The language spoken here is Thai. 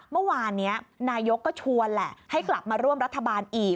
เมื่อวานนี้นายกก็ชวนแหละให้กลับมาร่วมรัฐบาลอีก